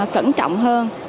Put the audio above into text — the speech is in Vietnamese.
cẩn trọng hơn